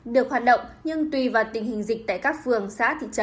được hoạt động